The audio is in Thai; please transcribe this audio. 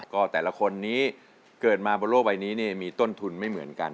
ก็แต่ละคนนี้เกิดมาบนโลกใบนี้มีต้นทุนไม่เหมือนกัน